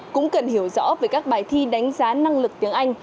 cũng cần hiểu rõ về các bài thi đánh giá năng lực tiếng anh